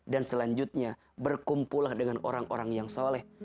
dan selanjutnya berkumpul dengan orang orang yang soleh